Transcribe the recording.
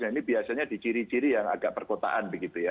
nah ini biasanya diciri ciri yang agak perkotaan begitu ya